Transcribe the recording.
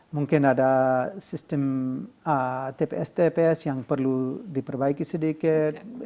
mungkin ada sistem tps tps yang perlu diperbaiki sedikit